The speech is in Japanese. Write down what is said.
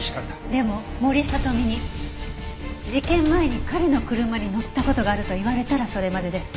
でも森聡美に事件前に彼の車に乗った事があると言われたらそれまでです。